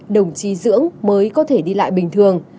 đồng chí dưỡng mới có thể đi lại bình thường